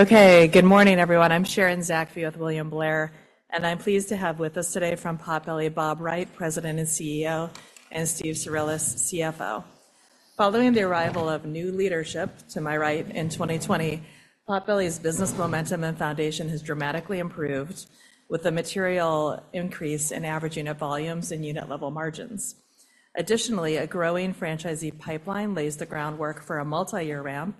Okay, good morning, everyone. I'm Sharon Zackfia with William Blair, and I'm pleased to have with us today from Potbelly, Bob Wright, President and CEO, and Steven Cirulis, CFO. Following the arrival of new leadership, to my right, in 2020, Potbelly's business momentum and foundation has dramatically improved, with a material increase in average unit volumes and unit-level margins. Additionally, a growing franchisee pipeline lays the groundwork for a multi-year ramp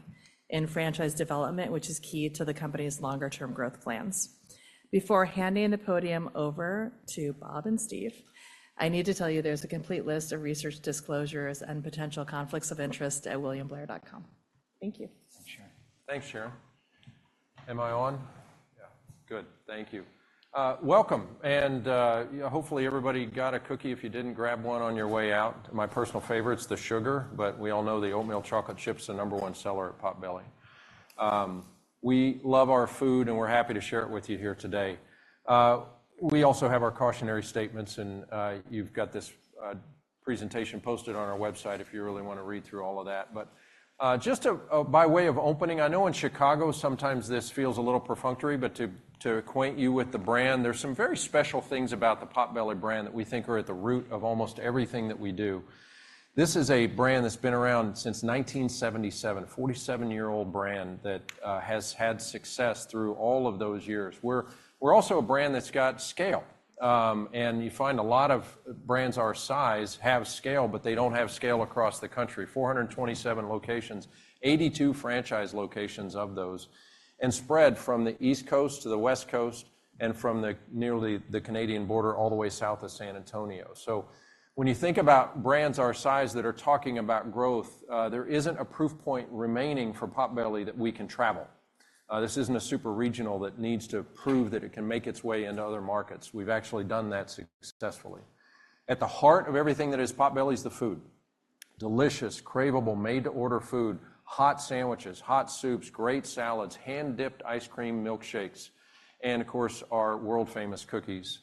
in franchise development, which is key to the company's longer-term growth plans. Before handing the podium over to Bob and Steve, I need to tell you there's a complete list of research disclosures and potential conflicts of interest at williamblair.com. Thank you. Thanks, Sharon. Thanks, Sharon. Am I on? Yeah. Good. Thank you. Welcome, and you know, hopefully, everybody got a cookie if you didn't grab one on your way out. My personal favorite's the sugar, but we all know the oatmeal chocolate chip's the number one seller at Potbelly. We love our food, and we're happy to share it with you here today. We also have our cautionary statements, and you've got this presentation posted on our website if you really wanna read through all of that. But just by way of opening, I know in Chicago, sometimes this feels a little perfunctory, but to acquaint you with the brand, there's some very special things about the Potbelly brand that we think are at the root of almost everything that we do. This is a brand that's been around since 1977, a 47-year-old brand that has had success through all of those years. We're also a brand that's got scale, and you find a lot of brands our size have scale, but they don't have scale across the country, 427 locations, 82 franchise locations of those, and spread from the East Coast to the West Coast and from nearly the Canadian border all the way south of San Antonio. So when you think about brands our size that are talking about growth, there isn't a proof point remaining for Potbelly that we can travel. This isn't a super regional that needs to prove that it can make its way into other markets. We've actually done that successfully. At the heart of everything that is Potbelly is the food: delicious, craveable, made-to-order food, hot sandwiches, hot soups, great salads, hand-dipped ice cream, milkshakes, and of course, our world-famous cookies.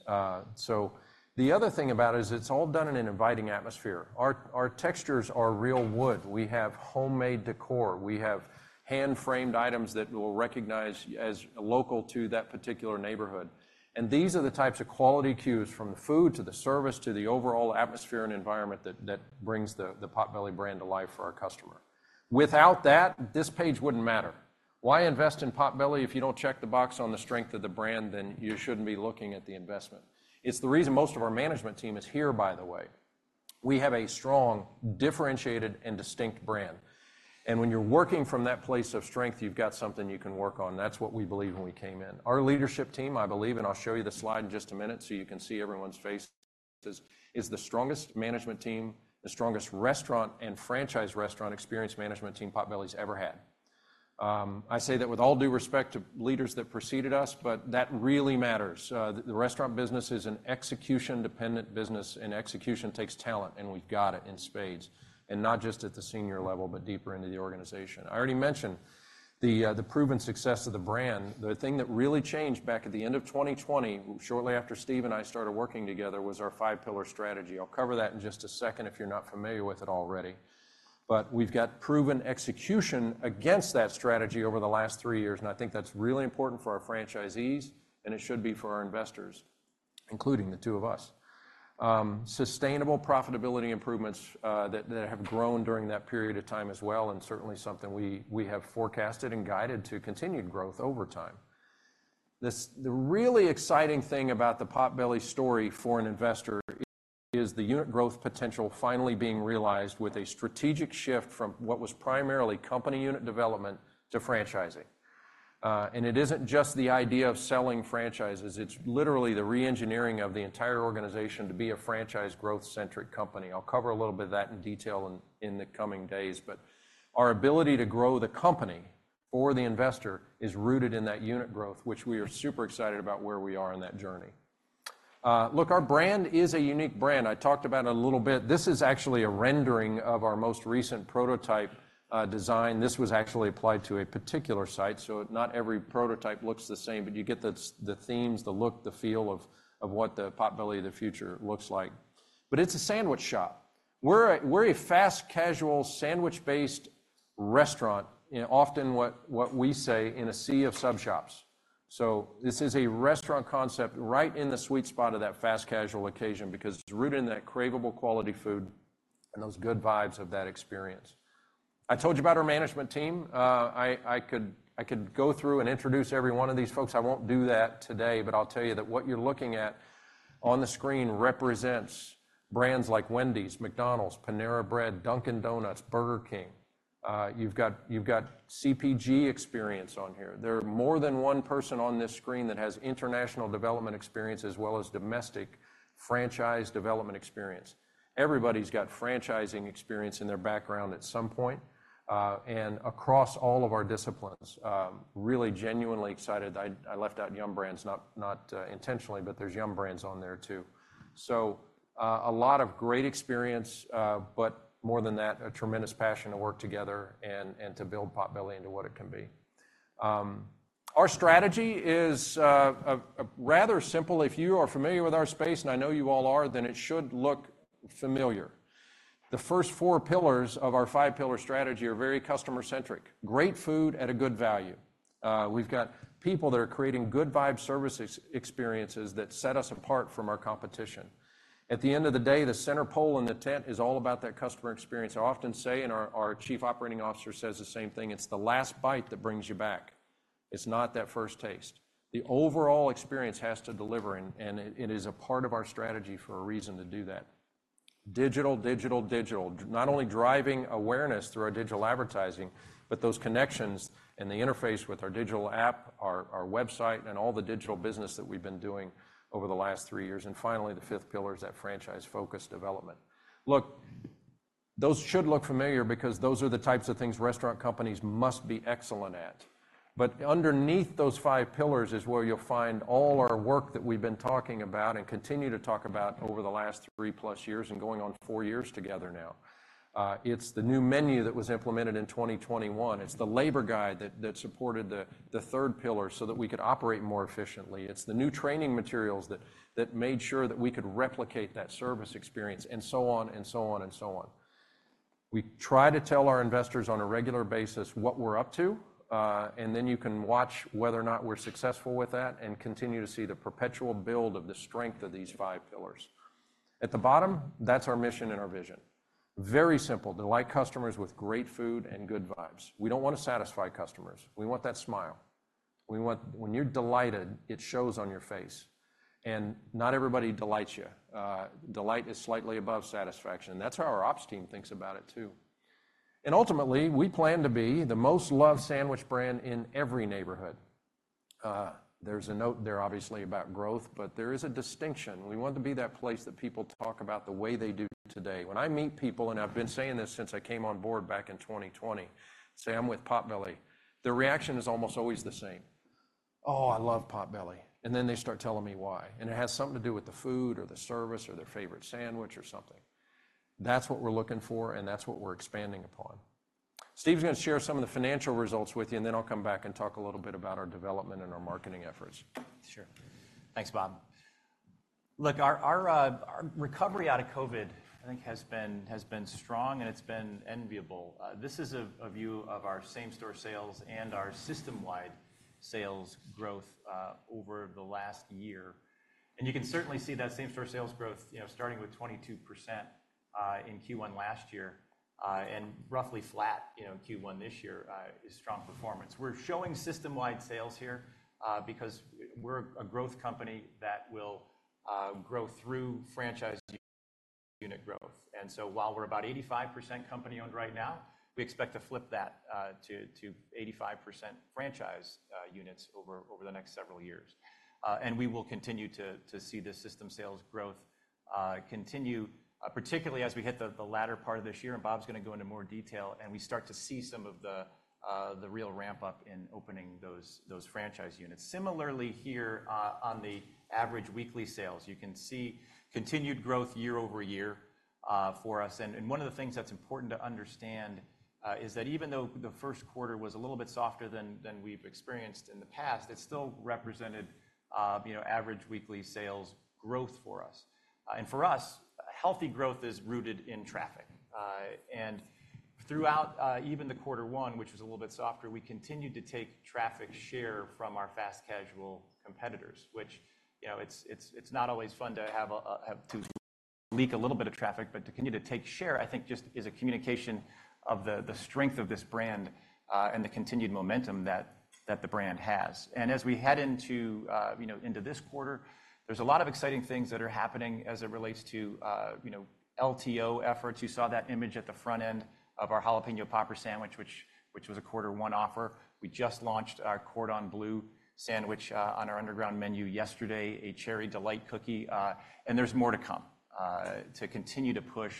So the other thing about it is it's all done in an inviting atmosphere. Our textures are real wood. We have homemade decor. We have hand-framed items that we'll recognize as local to that particular neighborhood, and these are the types of quality cues, from the food, to the service, to the overall atmosphere and environment, that brings the Potbelly brand to life for our customer. Without that, this page wouldn't matter. Why invest in Potbelly if you don't check the box on the strength of the brand, then you shouldn't be looking at the investment. It's the reason most of our management team is here, by the way. We have a strong, differentiated, and distinct brand, and when you're working from that place of strength, you've got something you can work on. That's what we believe when we came in. Our leadership team, I believe, and I'll show you the slide in just a minute so you can see everyone's faces, is the strongest management team, the strongest restaurant and franchise restaurant experience management team Potbelly's ever had. I say that with all due respect to leaders that preceded us, but that really matters. The restaurant business is an execution-dependent business, and execution takes talent, and we've got it in spades, and not just at the senior level, but deeper into the organization. I already mentioned the proven success of the brand. The thing that really changed back at the end of 2020, shortly after Steve and I started working together, was our five-pillar strategy. I'll cover that in just a second if you're not familiar with it already. But we've got proven execution against that strategy over the last three years, and I think that's really important for our franchisees, and it should be for our investors, including the two of us. Sustainable profitability improvements that have grown during that period of time as well, and certainly something we have forecasted and guided to continued growth over time. The really exciting thing about the Potbelly story for an investor is the unit growth potential finally being realized with a strategic shift from what was primarily company unit development to franchising. It isn't just the idea of selling franchises. It's literally the reengineering of the entire organization to be a franchise growth-centric company. I'll cover a little bit of that in detail in the coming days, but our ability to grow the company for the investor is rooted in that unit growth, which we are super excited about where we are in that journey. Look, our brand is a unique brand. I talked about it a little bit. This is actually a rendering of our most recent prototype design. This was actually applied to a particular site, so not every prototype looks the same, but you get the themes, the look, the feel of what the Potbelly of the future looks like. But it's a sandwich shop. We're a fast-casual, sandwich-based restaurant, and often what we say, in a sea of sub shops. So this is a restaurant concept right in the sweet spot of that fast-casual occasion because it's rooted in that craveable quality food and those good vibes of that experience. I told you about our management team. I could go through and introduce every one of these folks. I won't do that today, but I'll tell you that what you're looking at on the screen represents brands like Wendy's, McDonald's, Panera Bread, Dunkin' Donuts, Burger King. You've got CPG experience on here. There are more than one person on this screen that has international development experience, as well as domestic franchise development experience. Everybody's got franchising experience in their background at some point, and across all of our disciplines. Really genuinely excited. I left out Yum! Brands, not intentionally, but there's Yum! Brands on there, too. So, a lot of great experience, but more than that, a tremendous passion to work together and to build Potbelly into what it can be. Our strategy is a rather simple. If you are familiar with our space, and I know you all are, then it should look familiar. The first four pillars of our five-pillar strategy are very customer-centric: great food at a good value. We've got people that are creating good vibe service experiences that set us apart from our competition. At the end of the day, the center pole in the tent is all about that customer experience. I often say, and our Chief Operating Officer says the same thing, "It's the last bite that brings you back. It's not that first taste." The overall experience has to deliver, and it is a part of our strategy for a reason to do that. Digital, digital, digital. Not only driving awareness through our digital advertising, but those connections and the interface with our digital app, our website, and all the digital business that we've been doing over the last three years. And finally, the fifth pillar is that franchise-focused development. Look, those should look familiar because those are the types of things restaurant companies must be excellent at. But underneath those five pillars is where you'll find all our work that we've been talking about and continue to talk about over the last three-plus years and going on four years together now. It's the new menu that was implemented in 2021. It's the labor guide that supported the third pillar so that we could operate more efficiently. It's the new training materials that made sure that we could replicate that service experience, and so on, and so on, and so on. We try to tell our investors on a regular basis what we're up to, and then you can watch whether or not we're successful with that and continue to see the perpetual build of the strength of these five pillars. At the bottom, that's our mission and our vision. Very simple, delight customers with great food and good vibes. We don't wanna satisfy customers. We want that smile. We want. When you're delighted, it shows on your face, and not everybody delights you. Delight is slightly above satisfaction. That's how our ops team thinks about it, too. Ultimately, we plan to be the most loved sandwich brand in every neighborhood. There's a note there obviously about growth, but there is a distinction. We want to be that place that people talk about the way they do today. When I meet people, and I've been saying this since I came on board back in 2020, say I'm with Potbelly, their reaction is almost always the same: "Oh, I love Potbelly." And then they start telling me why, and it has something to do with the food or the service or their favorite sandwich or something. That's what we're looking for, and that's what we're expanding upon. Steve's gonna share some of the financial results with you, and then I'll come back and talk a little bit about our development and our marketing efforts. Sure. Thanks, Bob. Look, our recovery out of COVID, I think, has been strong, and it's been enviable. This is a view of our same-store sales and our system-wide sales growth over the last year. And you can certainly see that same-store sales growth, you know, starting with 22% in Q1 last year, and roughly flat, you know, Q1 this year, is strong performance. We're showing system-wide sales here because we're a growth company that will grow through franchise unit growth. And so while we're about 85% company-owned right now, we expect to flip that to 85% franchise units over the next several years. We will continue to see the system sales growth continue, particularly as we hit the latter part of this year, and Bob's gonna go into more detail, and we start to see some of the real ramp-up in opening those franchise units. Similarly, here, on the average weekly sales, you can see continued growth year-over-year for us. One of the things that's important to understand is that even though the first quarter was a little bit softer than we've experienced in the past, it still represented, you know, average weekly sales growth for us. For us, healthy growth is rooted in traffic. And throughout, even the quarter one, which was a little bit softer, we continued to take traffic share from our fast casual competitors, which, you know, it's, it's, it's not always fun to have a, a, have to leak a little bit of traffic, but to continue to take share, I think, just is a communication of the, the strength of this brand, and the continued momentum that, that the brand has. And as we head into, you know, into this quarter, there's a lot of exciting things that are happening as it relates to, you know, LTO efforts. You saw that image at the front end of our Jalapeño Popper sandwich, which, which was a quarter-one offer. We just launched our Cordon Bleu sandwich on our Underground Menu yesterday, a Cherry Delight cookie, and there's more to come, to continue to push,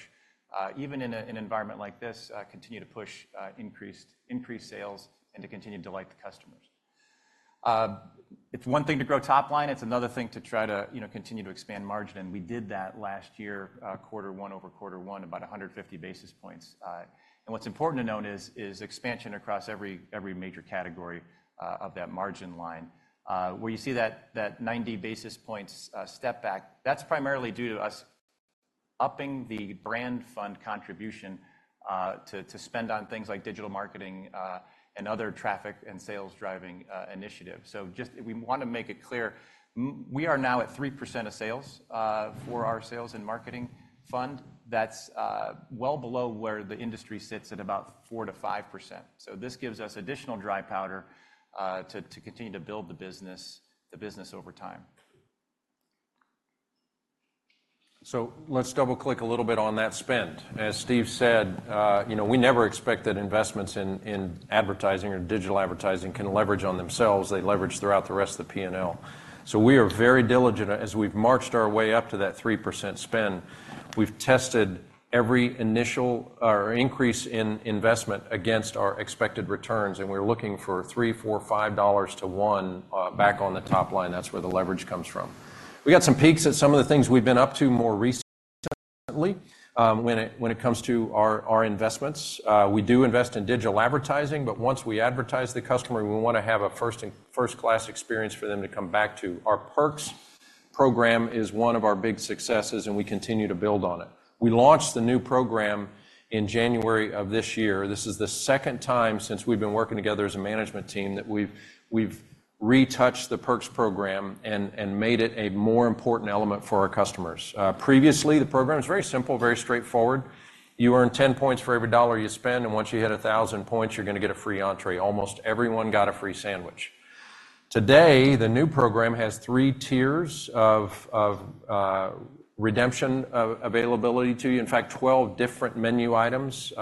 even in a, an environment like this, continue to push, increased, increased sales and to continue to delight the customers. It's one thing to grow top line, it's another thing to try to, you know, continue to expand margin, and we did that last year, quarter one over quarter one, about 150 basis points. And what's important to note is, is expansion across every, every major category, of that margin line. Where you see that, that 90 basis points, step back, that's primarily due to us upping the brand fund contribution, to, to spend on things like digital marketing, and other traffic and sales-driving, initiatives. So we wanna make it clear, we are now at 3% of sales for our sales and marketing fund. That's well below where the industry sits at about 4%-5%. So this gives us additional dry powder to continue to build the business over time. So let's double-click a little bit on that spend. As Steve said, you know, we never expect that investments in advertising or digital advertising can leverage on themselves. They leverage throughout the rest of the PNL. So we are very diligent. As we've marched our way up to that 3% spend, we've tested every initial or increase in investment against our expected returns, and we're looking for $3-$5 to $1 back on the top line. That's where the leverage comes from. We got some peeks at some of the things we've been up to more recently, when it comes to our investments. We do invest in digital advertising, but once we advertise the customer, we wanna have a first-in, first-class experience for them to come back to. Our Perks-... program is one of our big successes, and we continue to build on it. We launched the new program in January of this year. This is the second time since we've been working together as a management team that we've retouched the Perks program and made it a more important element for our customers. Previously, the program was very simple, very straightforward. You earn 10 points for every $1 you spend, and once you hit 1,000 points, you're gonna get a free entrée. Almost everyone got a free sandwich. Today, the new program has 3 tiers of redemption availability to you. In fact, 12 different menu items.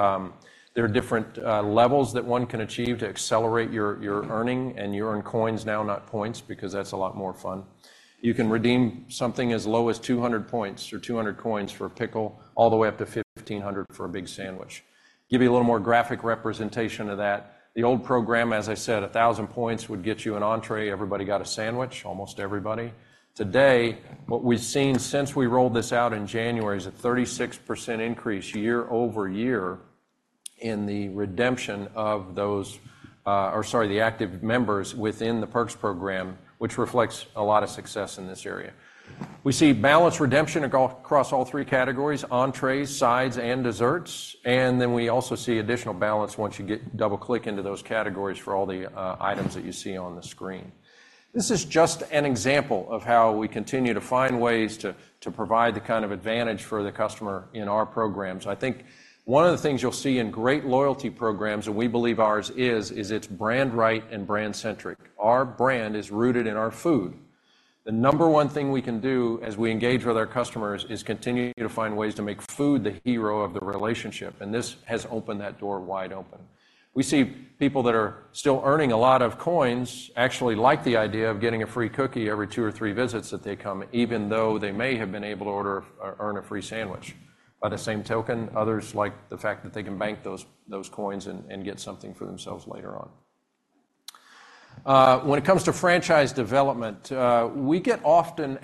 There are different levels that one can achieve to accelerate your earning, and you earn coins now, not points, because that's a lot more fun. You can redeem something as low as 200 points or 200 coins for a pickle, all the way up to 1,500 for a big sandwich. Give you a little more graphic representation of that. The old program, as I said, 1,000 points would get you an entrée. Everybody got a sandwich, almost everybody. Today, what we've seen since we rolled this out in January is a 36% increase year-over-year in the redemption of those, the active members within the Perks program, which reflects a lot of success in this area. We see balanced redemption across all three categories: entrees, sides, and desserts. And then we also see additional balance once you get double-click into those categories for all the, items that you see on the screen. This is just an example of how we continue to find ways to provide the kind of advantage for the customer in our programs. I think one of the things you'll see in great loyalty programs, and we believe ours is, is it's brand right and brand-centric. Our brand is rooted in our food. The number one thing we can do as we engage with our customers is continue to find ways to make food the hero of the relationship, and this has opened that door wide open. We see people that are still earning a lot of coins actually like the idea of getting a free cookie every two or three visits that they come, even though they may have been able to order or earn a free sandwich. By the same token, others like the fact that they can bank those, those coins and, and get something for themselves later on. When it comes to franchise development, we often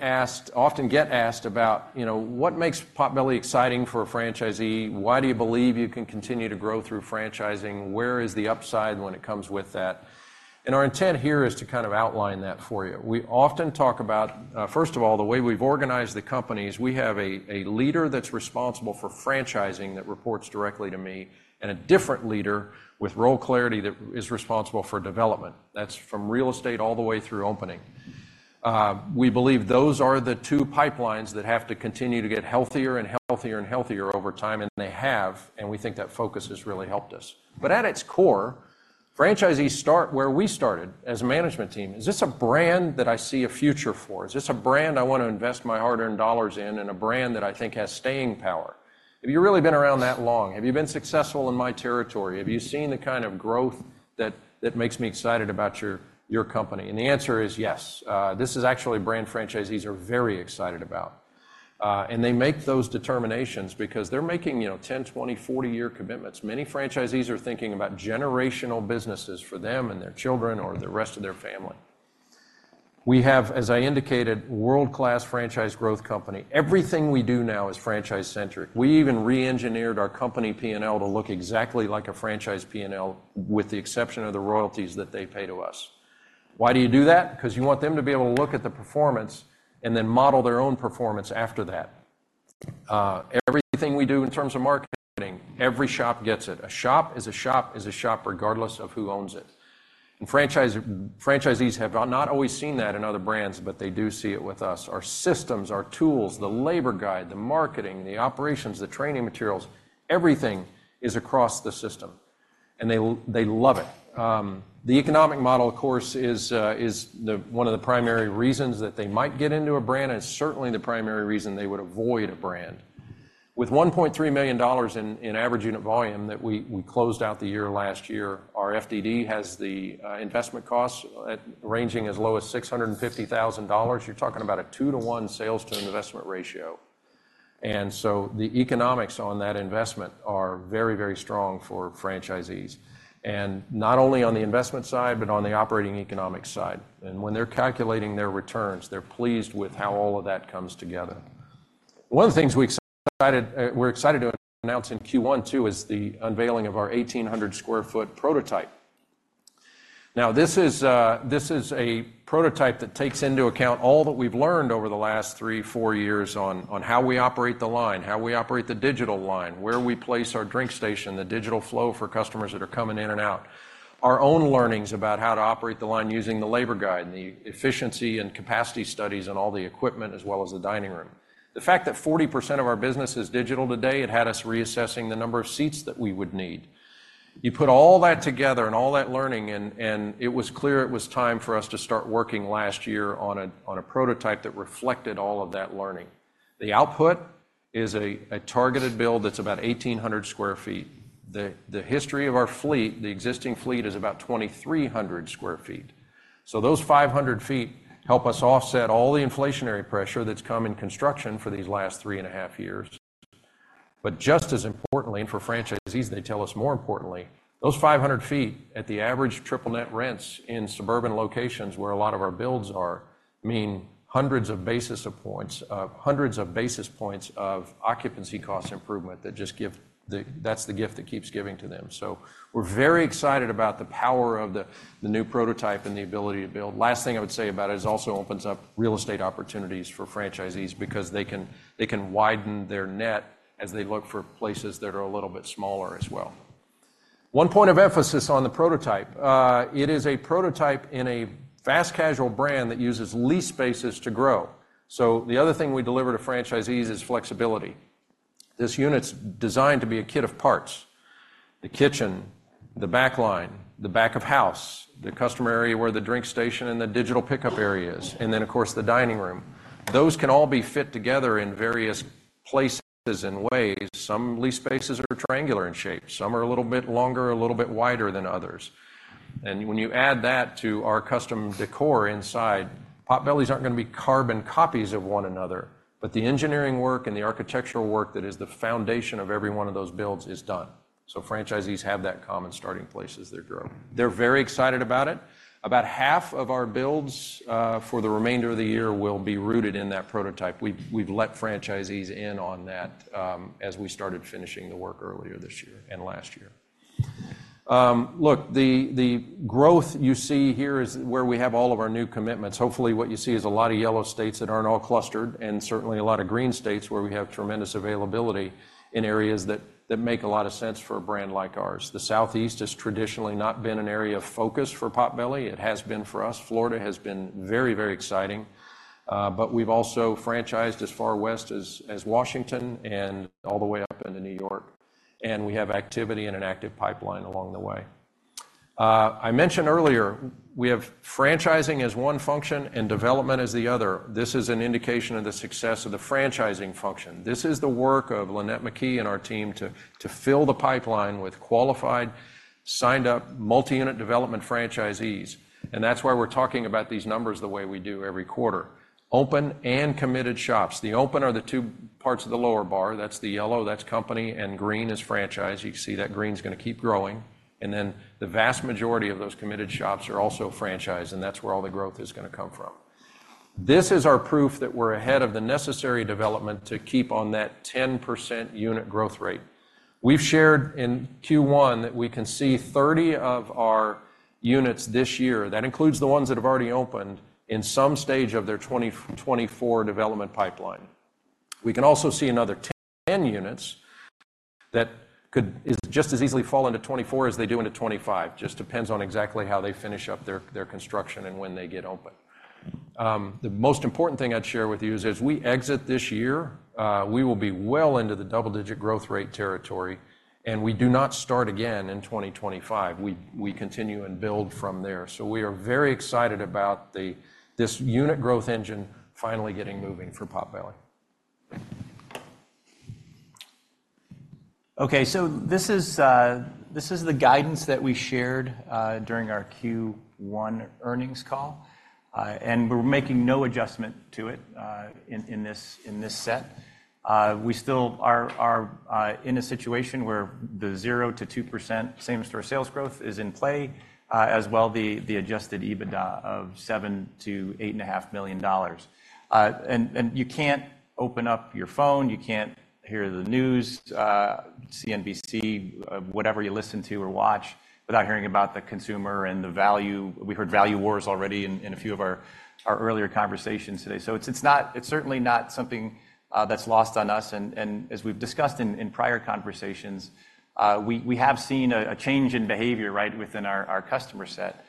get asked about, you know, what makes Potbelly exciting for a franchisee? Why do you believe you can continue to grow through franchising? Where is the upside when it comes with that? And our intent here is to kind of outline that for you. We often talk about, first of all, the way we've organized the company is we have a leader that's responsible for franchising that reports directly to me, and a different leader with role clarity that is responsible for development. That's from real estate all the way through opening. We believe those are the two pipelines that have to continue to get healthier and healthier and healthier over time, and they have, and we think that focus has really helped us. But at its core, franchisees start where we started as a management team. Is this a brand that I see a future for? Is this a brand I want to invest my hard-earned dollars in, and a brand that I think has staying power? Have you really been around that long? Have you been successful in my territory? Have you seen the kind of growth that makes me excited about your company? And the answer is yes. This is actually a brand franchisees are very excited about. And they make those determinations because they're making, you know, 10-, 20-, 40-year commitments. Many franchisees are thinking about generational businesses for them and their children or the rest of their family. We have, as I indicated, world-class franchise growth company. Everything we do now is franchise-centric. We even reengineered our company P&L to look exactly like a franchise P&L, with the exception of the royalties that they pay to us. Why do you do that? Because you want them to be able to look at the performance and then model their own performance after that. Everything we do in terms of marketing, every shop gets it. A shop is a shop is a shop, regardless of who owns it. And franchisees have not always seen that in other brands, but they do see it with us. Our systems, our tools, the labor guide, the marketing, the operations, the training materials, everything is across the system, and they love it. The economic model, of course, is one of the primary reasons that they might get into a brand, and it's certainly the primary reason they would avoid a brand. With $1.3 million in average unit volume that we closed out the year last year, our FDD has the investment costs at ranging as low as $650,000. You're talking about a 2-to-1 sales to investment ratio. And so the economics on that investment are very, very strong for franchisees, and not only on the investment side, but on the operating economics side. And when they're calculating their returns, they're pleased with how all of that comes together. One of the things we're excited to announce in Q1, too, is the unveiling of our 1,800 sq ft prototype. Now, this is a prototype that takes into account all that we've learned over the last 3, 4 years on how we operate the line, how we operate the digital line, where we place our drink station, the digital flow for customers that are coming in and out. Our own learnings about how to operate the line using the labor guide and the efficiency and capacity studies on all the equipment, as well as the dining room. The fact that 40% of our business is digital today had us reassessing the number of seats that we would need. You put all that together and all that learning, and it was clear it was time for us to start working last year on a prototype that reflected all of that learning. The output is a targeted build that's about 1,800 sq ft. The history of our fleet, the existing fleet, is about 2,300 sq ft. So those 500 sq ft help us offset all the inflationary pressure that's come in construction for these last 3.5 years. But just as importantly, and for franchisees, they tell us more importantly, those 500 sq ft at the average triple net rents in suburban locations where a lot of our builds are mean hundreds of basis points of occupancy cost improvement that just give the- that's the gift that keeps giving to them. So we're very excited about the power of the, the new prototype and the ability to build. Last thing I would say about it, is it also opens up real estate opportunities for franchisees because they can, they can widen their net as they look for places that are a little bit smaller as well. One point of emphasis on the prototype. It is a prototype in a fast casual brand that uses lease spaces to grow. So the other thing we deliver to franchisees is flexibility. This unit's designed to be a kit of parts: the kitchen, the back line, the back of house, the customer area where the drink station and the digital pickup area is, and then, of course, the dining room. Those can all be fit together in various places and ways. Some lease spaces are triangular in shape. Some are a little bit longer or a little bit wider than others. And when you add that to our custom decor inside, Potbellies aren't gonna be carbon copies of one another. But the engineering work and the architectural work that is the foundation of every one of those builds is done. So franchisees have that common starting place as they're growing. They're very excited about it. About half of our builds for the remainder of the year will be rooted in that prototype. We've let franchisees in on that as we started finishing the work earlier this year and last year. Look, the growth you see here is where we have all of our new commitments. Hopefully, what you see is a lot of yellow states that aren't all clustered, and certainly a lot of green states where we have tremendous availability in areas that make a lot of sense for a brand like ours. The Southeast has traditionally not been an area of focus for Potbelly. It has been for us. Florida has been very, very exciting, but we've also franchised as far west as Washington and all the way up into New York, and we have activity and an active pipeline along the way. I mentioned earlier, we have franchising as one function and development as the other. This is an indication of the success of the franchising function. This is the work of Lynette McKee and our team to fill the pipeline with qualified, signed-up, multi-unit development franchisees, and that's why we're talking about these numbers the way we do every quarter. Open and committed shops. The open are the two parts of the lower bar. That's the yellow, that's company, and green is franchise. You can see that green's gonna keep growing, and then the vast majority of those committed shops are also franchise, and that's where all the growth is gonna come from. This is our proof that we're ahead of the necessary development to keep on that 10% unit growth rate. We've shared in Q1 that we can see 30 of our units this year, that includes the ones that have already opened, in some stage of their 2024 development pipeline. We can also see another 10 units that could, is just as easily fall into 2024 as they do into 2025. Just depends on exactly how they finish up their construction and when they get open. The most important thing I'd share with you is, as we exit this year, we will be well into the double-digit growth rate territory, and we do not start again in 2025. We continue and build from there. So we are very excited about this unit growth engine finally getting moving for Potbelly. Okay, so this is the guidance that we shared during our Q1 earnings call. And we're making no adjustment to it in this set. We still are in a situation where the 0%-2% same-store sales growth is in play, as well the Adjusted EBITDA of $7 million-$8.5 million. And you can't open up your phone, you can't hear the news, CNBC, whatever you listen to or watch, without hearing about the consumer and the value. We heard value wars already in a few of our earlier conversations today. So it's not. It's certainly not something that's lost on us, and as we've discussed in prior conversations, we have seen a change in behavior right within our customer set.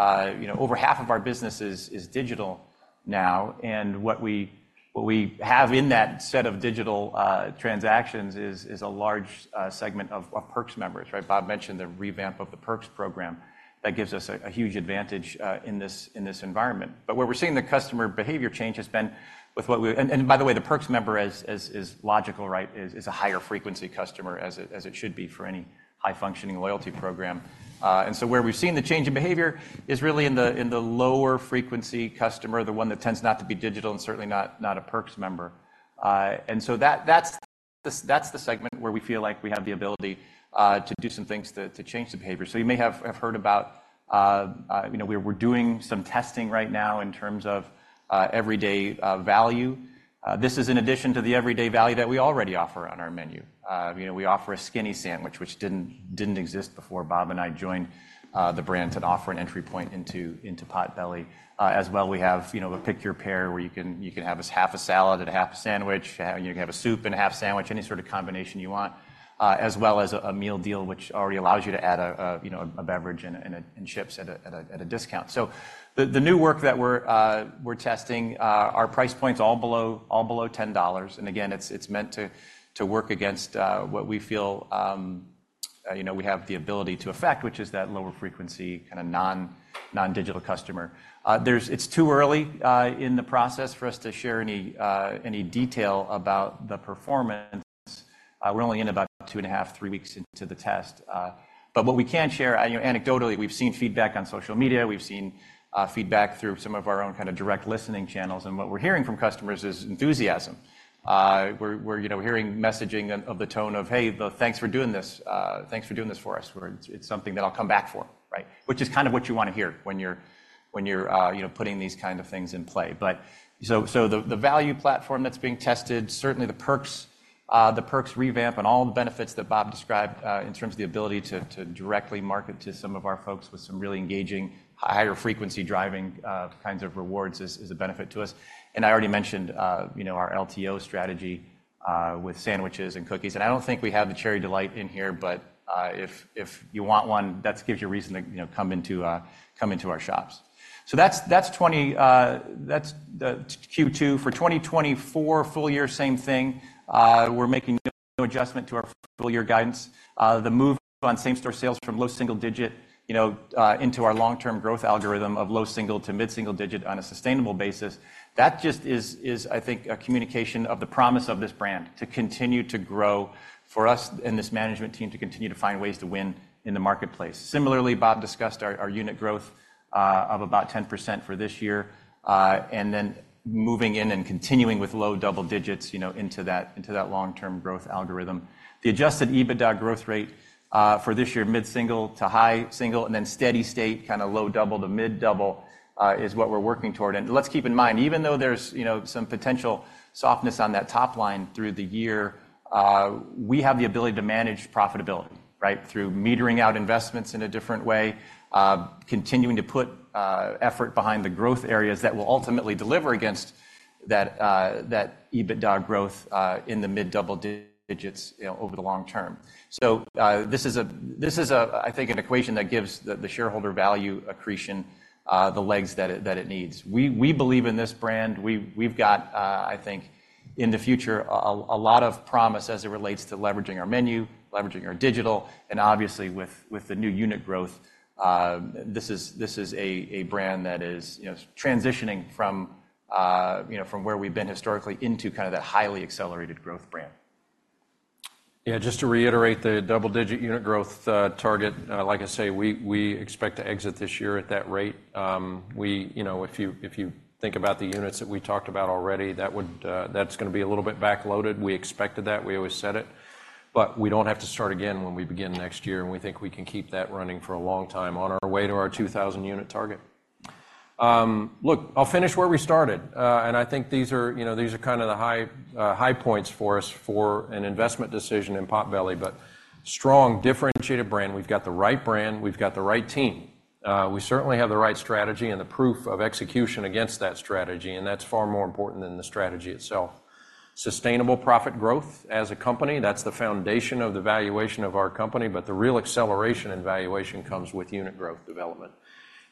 You know, over half of our business is digital now, and what we have in that set of digital transactions is a large segment of Perks members, right? Bob mentioned the revamp of the Perks program. That gives us a huge advantage in this environment. But where we're seeing the customer behavior change has been with what we and by the way, the Perks member is logical, right? Is a higher frequency customer, as it should be for any high-functioning loyalty program. And so where we've seen the change in behavior is really in the lower frequency customer, the one that tends not to be digital and certainly not a Perks member. And so that, that's the segment where we feel like we have the ability to do some things to change the behavior. So you may have heard about, you know, we're doing some testing right now in terms of everyday value. This is in addition to the everyday value that we already offer on our menu. You know, we offer a Skinny Sandwich, which didn't exist before Bob and I joined the brand, to offer an entry point into Potbelly. As well, we have, you know, a Pick Your Pair, where you can have a half a salad and a half a sandwich, you can have a soup and a half sandwich, any sort of combination you want. As well as a Meal Deal, which already allows you to add a, you know, a beverage and chips at a discount. So the new work that we're testing are price points all below $10, and again, it's meant to work against what we feel, you know, we have the ability to affect, which is that lower frequency, kinda non-digital customer. There's. It's too early in the process for us to share any detail about the performance. We're only in about 2.5-3 weeks into the test, but what we can share, you know, anecdotally, we've seen feedback on social media, we've seen feedback through some of our own kinda direct listening channels, and what we're hearing from customers is enthusiasm. We're, you know, hearing messaging of the tone of, "Hey, thanks for doing this. Thanks for doing this for us." Where it's something that I'll come back for, right? Which is kind of what you wanna hear when you're, you know, putting these kind of things in play. But the value platform that's being tested, certainly the Perks, the Perks revamp, and all the benefits that Bob described, in terms of the ability to directly market to some of our folks with some really engaging, higher frequency driving kinds of rewards is a benefit to us. I already mentioned, you know, our LTO strategy with sandwiches and cookies. I don't think we have the Cherry Delight in here, but if you want one, that gives you a reason to, you know, come into our shops. So that's 20... that's the Q2. For 2024 full year, same thing. We're making no adjustment to our full year guidance. The move on same-store sales from low single digit, you know, into our long-term growth algorithm of low single- to mid-single-digit on a sustainable basis, that just is, I think, a communication of the promise of this brand to continue to grow, for us and this management team to continue to find ways to win in the marketplace. Similarly, Bob discussed our unit growth of about 10% for this year, and then moving in and continuing with low double digits, you know, into that long-term growth algorithm. The adjusted EBITDA growth rate for this year, mid-single- to high single-, and then steady state, kinda low double- to mid double-, is what we're working toward. Let's keep in mind, even though there's, you know, some potential softness on that top line through the year, we have the ability to manage profitability, right? Through metering out investments in a different way, continuing to put effort behind the growth areas that will ultimately deliver against that, that EBITDA growth, in the mid double digits, you know, over the long term. So, this is a, this is a, I think, an equation that gives the, the shareholder value accretion, the legs that it, that it needs. We believe in this brand. We've got, I think, in the future, a lot of promise as it relates to leveraging our menu, leveraging our digital, and obviously, with the new unit growth, this is a brand that is, you know, transitioning from, you know, from where we've been historically into kind of that highly accelerated growth brand. Yeah, just to reiterate the double-digit unit growth target, like I say, we expect to exit this year at that rate. You know, if you think about the units that we talked about already, that would, that's gonna be a little bit backloaded. We expected that. We always said it, but we don't have to start again when we begin next year, and we think we can keep that running for a long time on our way to our 2,000-unit target. Look, I'll finish where we started, and I think these are, you know, these are kinda the high, high points for us for an investment decision in Potbelly, but strong, differentiated brand. We've got the right brand, we've got the right team. We certainly have the right strategy and the proof of execution against that strategy, and that's far more important than the strategy itself. Sustainable profit growth as a company, that's the foundation of the valuation of our company, but the real acceleration in valuation comes with unit growth development.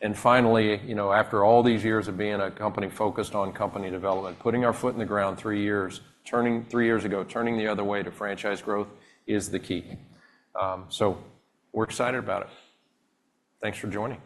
And finally, you know, after all these years of being a company focused on company development, putting our foot in the ground three years ago, turning the other way to franchise growth is the key. So we're excited about it. Thanks for joining.